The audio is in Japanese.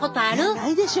いやないでしょ。